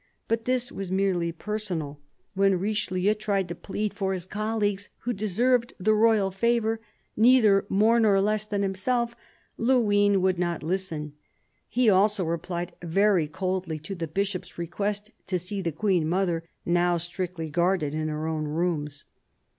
But this was merely personal. When Richelieu 7 98 CARDINAL DE RICHELIEU tried to plead for his colleagues, who deserved the royal favour neither more nor less than himself, Luynes would not listen. He also replied very coldly to the Bishop's request to see the Queen mother, now strictly guarded in her own rooms.